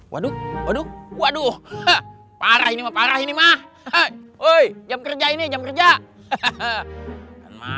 waduh waduh waduh parah ini mah woi jam kerja ini jam kerja